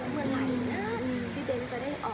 เหมือนไหนนะที่เบนจะได้ออก